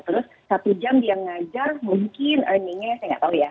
terus satu jam dia ngajar mungkin earningnya saya nggak tahu ya